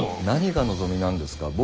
何が望みなんですか？